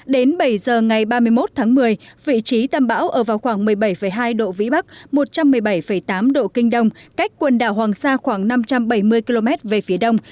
đến bảy giờ ngày ba mươi một tháng một mươi vị trí tâm bão ở vào khoảng một mươi bảy hai độ vĩ bắc một trăm một mươi bảy tám độ kinh đông cách quần đảo hoàng sa khoảng năm trăm bảy mươi km về phía đông